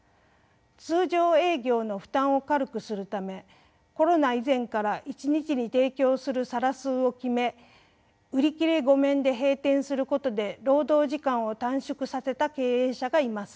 通常営業の負担を軽くするためコロナ以前から一日に提供する皿数を決め売り切れ御免で閉店することで労働時間を短縮させた経営者がいます。